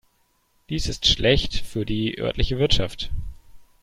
Dies ist schlecht für die örtliche Wirtschaft.